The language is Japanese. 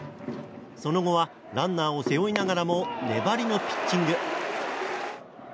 その後はランナーを背負いながらも粘りのピッチング。